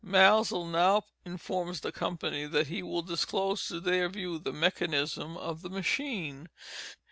Maelzel now informs the company that he will disclose to their view the mechanism of the machine.